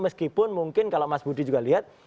meskipun mungkin kalau mas budi juga lihat